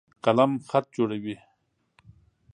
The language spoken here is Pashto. قلم خط جوړوي.